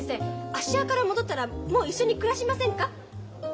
芦屋から戻ったらもう一緒に暮らしませんか？